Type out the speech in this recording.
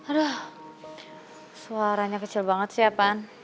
aduh suaranya kecil banget sih ya pan